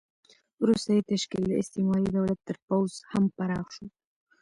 وروسته یې تشکیل د استعماري دولت تر پوځ هم پراخ شو.